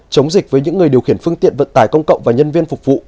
chống dịch với những người điều khiển phương tiện vận tải công cộng và nhân viên phục vụ